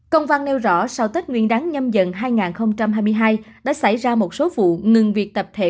công văn nêu rõ sau tết nguyên đáng nhâm dần hai nghìn hai mươi hai đã xảy ra một số vụ ngừng việc tập thể